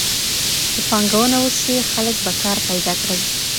که پانګونه وسي خلګ به کار پیدا کړي.